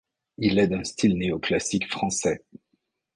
Il est d'un style néoclassique français.